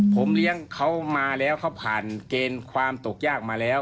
ผมเลี้ยงเขามาแล้วเขาผ่านเกณฑ์ความตกยากมาแล้ว